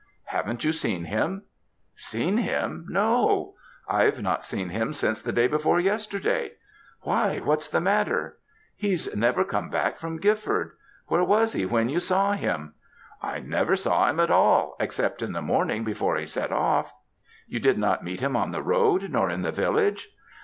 "Haven't you seen him?" "Seen him, no; I've not seen him since the day before yesterday. Why? what's the matter?" "He's never come back from Gifford. Where was he when you saw him?" "I never saw him at all, except in the morning before he set off." "You did not meet him on the road, nor in the village?"